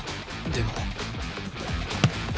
でも。